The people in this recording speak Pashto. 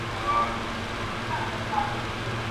څوک چي په غم کي د نورو نه وي !.